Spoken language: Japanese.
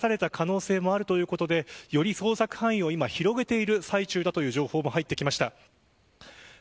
今回川に流された可能性もあるということで、より捜索範囲を広げている最中だという情報も入ってきました。